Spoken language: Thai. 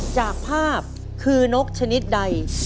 จากภาพคือนกชนิดใด